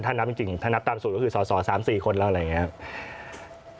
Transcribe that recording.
ถ้านับจริงถ้านับตามสุดก็คือสอสอ๓๔คนแล้วอะไรอย่างนี้ครับ